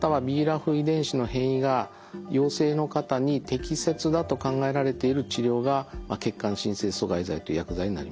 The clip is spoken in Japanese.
遺伝子の変異が陽性の方に適切だと考えられている治療が血管新生阻害剤という薬剤になります。